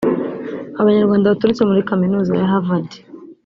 Abanyarwanda baturutse muri Kaminuza ya Harvard